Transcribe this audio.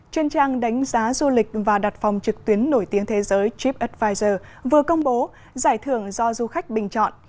trên trang đánh giá du lịch và đặt phòng trực tuyến nổi tiếng thế giới tripadvisor vừa công bố giải thưởng do du khách bình chọn